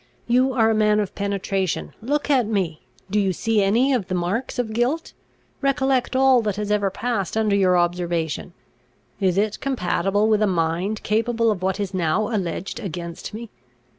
You are a man of penetration; look at me! do you see any of the marks of guilt? Recollect all that has ever passed under your observation; is it compatible with a mind capable of what is now alleged against me?